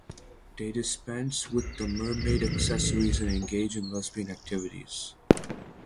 They dispense with the mermaid accessories and engage in lesbian activities.